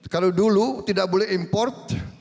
kalau dulu tidak boleh import